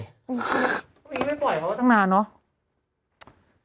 ตอนนี้ไม่ปล่อยเขาตั้งนานเนาะ